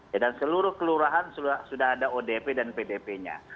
ya dan seluruh kelurahan sudah ada odp dan pdpnya